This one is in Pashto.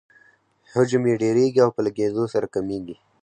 حجم یې ډیریږي او په لږیدو سره کمیږي.